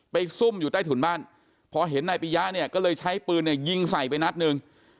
ซุ่มอยู่ใต้ถุนบ้านพอเห็นนายปียะเนี่ยก็เลยใช้ปืนเนี่ยยิงใส่ไปนัดหนึ่ง